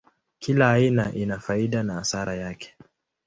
Kila aina ina faida na hasara yake.